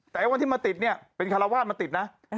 แต่วันที่มาติดเนี่ยเป็นคารวาสมาติดนะ